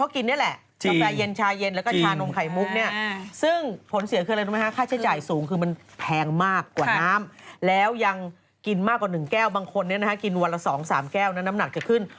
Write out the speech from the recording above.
แค่๒๓แก้วนั้นน้ำหนักจะขึ้น